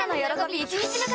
１日目から！！